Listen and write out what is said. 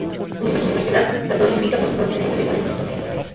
Universidad Católica clasifica por mejor diferencia de goles en el torneo.